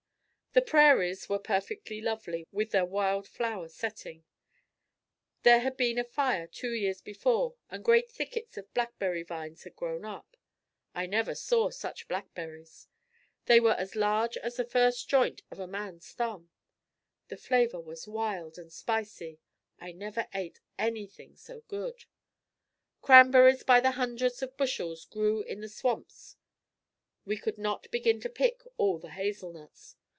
The prairies were perfectly lovely with their wild flower setting. There had been a fire two years before and great thickets of blackberry vines had grown up. I never saw such blackberries. They were as large as the first joint of a man's thumb. The flavor was wild and spicy. I never ate anything so good. Cranberries by the hundreds of bushels grew in the swamps. We could not begin to pick all the hazel nuts.